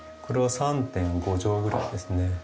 これは３．５畳ぐらいですね。